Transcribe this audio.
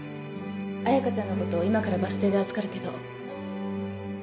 彩香ちゃんのこと今からバス停で預かるけど。